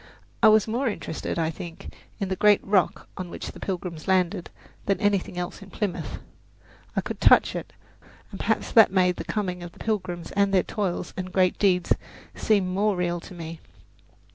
I was more interested, I think, in the great rock on which the Pilgrims landed than in anything else in Plymouth. I could touch it, and perhaps that made the coming of the Pilgrims and their toils and great deeds seem more real to me.